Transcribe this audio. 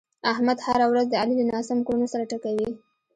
احمد هره ورځ د علي له ناسمو کړنو سر ټکوي.